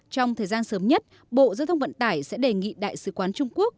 trong thời gian sớm nhất bộ giao thông vận tải sẽ đề nghị đại sứ quán trung quốc